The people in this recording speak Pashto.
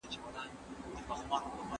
ما ته وويل سول چي د مناره ګم ګشته کتاب ولولم.